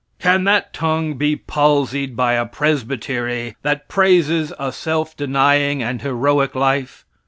Can that tongue be palsied by a presbytery that praises a self denying and heroic life?